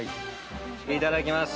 いただきます。